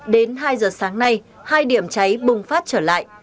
đến hai giờ sáng nay hai điểm cháy bùng phát trở lại